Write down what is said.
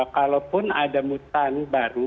kalaupun ada mutasi baru